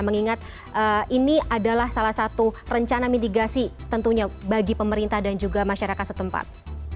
mengingat ini adalah salah satu rencana mitigasi tentunya bagi pemerintah dan juga masyarakat setempat